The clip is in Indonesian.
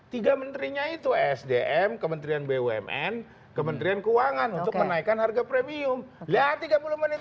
tiga menterinya itu sdm kementerian bumn kementerian keuangan untuk menaikkan harga premium lihat tiga puluh menit